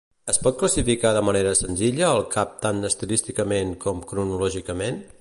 Es pot classificar de manera senzilla el cap tant estilísticament com cronològicament?